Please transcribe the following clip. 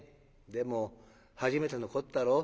でも初めてのこったろ？